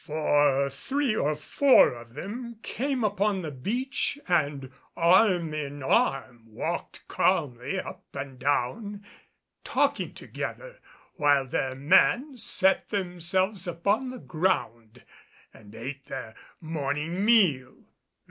For three or four of them came upon the beach and arm in arm walked calmly up and down, talking together, while their men sat themselves upon the ground and ate their morning meal.